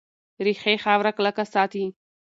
ریښې خاوره کلکه ساتي.